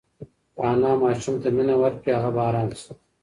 که انا ماشوم ته مینه ورکړي، هغه به ارام شي.